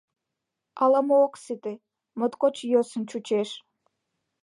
Ала-мо ок сите, моткоч йӧсын чучеш.